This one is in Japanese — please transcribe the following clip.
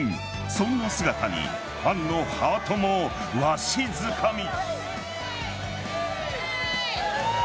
そんな姿にファンのハートもわしづかみ。